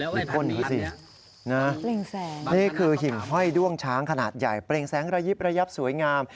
คุณพ่อหนีสินะนี่คือหิ่งห้อยด้วงช้างขนาดใหญ่เปล่งแสงระยิบระยับสวยงาม